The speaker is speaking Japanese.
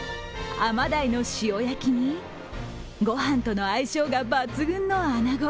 甘鯛の塩焼きに、ご飯との相性が抜群の穴子。